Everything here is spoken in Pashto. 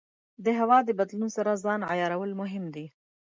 د هوا د بدلون سره ځان عیارول مهم دي.